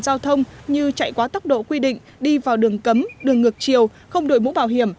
giao thông như chạy quá tốc độ quy định đi vào đường cấm đường ngược chiều không đổi mũ bảo hiểm